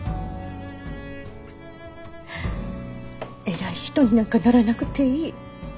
偉い人になんかならなくていい。